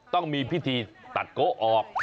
ต้องมีพิธีตัดโก๊ออก